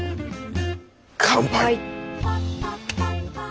乾杯。